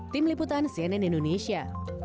tim liputan cnn indonesia